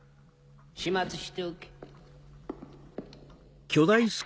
始末しておけ。